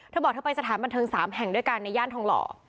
เธอบอกเธอไปสถานบันเทิง๓แห่งด้วยกันในย่านทองหล่อ